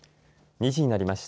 ２時になりました。